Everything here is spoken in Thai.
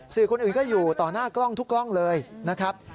สื่อคนอื่นก็อยู่ต่อหน้ากล้องทุกกล้องเลยนะครับ